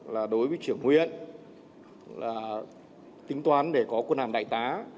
là đối với trưởng huyện là tính toán để có quân hàm đại tá